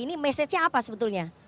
konsepsinya apa sebetulnya